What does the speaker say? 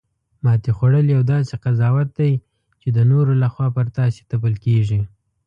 ماتې خوړل یو داسې قضاوت دی چې د نورو لخوا پر تاسې تپل کیږي